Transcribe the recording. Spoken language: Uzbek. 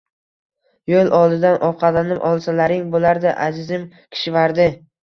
Yoʻl oldidan ovqatlanib olsalaring boʻlardi, azizim Kishvardi…